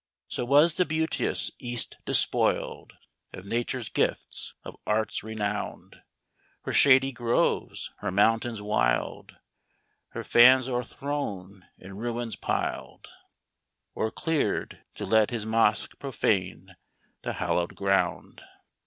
So was the beauteous East despoiled Of nature's gifts; of arts renowned: Her shady groves, her mountains wild; Her fanes o'erthrown, in ruins piled; Or cleared, to let his mosque profane the hallowed ground.